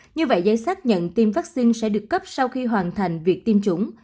như vậy giấy xác nhận tiêm vaccine sẽ được cấp sau khi hoàn thành việc tiêm chủng